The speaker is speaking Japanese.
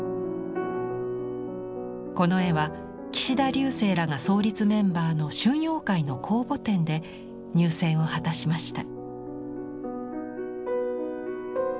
この絵は岸田劉生らが創立メンバーの春陽会の公募展で入選を果たしました。